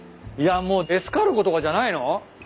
いやもうエスカルゴとかじゃないの？